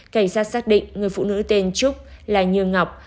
cảnh giác xác định người phụ nữ tên trúc là như ngọc